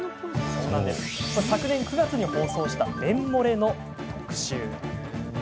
昨年９月に放送した便漏れの特集。